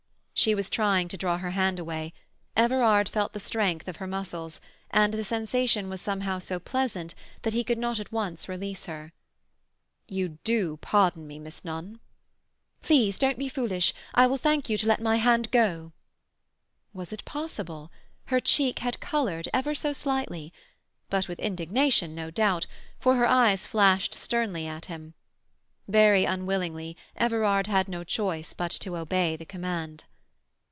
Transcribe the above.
She was trying to draw her hand away. Everard felt the strength of her muscles, and the sensation was somehow so pleasant that he could not at once release her. "You do pardon me, Miss Nunn?" "Please don't be foolish. I will thank you to let my hand go." Was it possible? Her cheek had coloured, ever so slightly. But with indignation, no doubt, for her eyes flashed sternly at him. Very unwillingly, Everard had no choice but to obey the command.